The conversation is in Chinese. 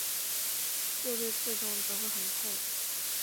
若被刺中则会很痛。